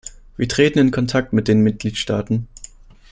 Wir treten in Kontakt mit den Mitgliedstaaten.